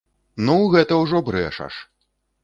Ну, гэта ўжо брэшаш!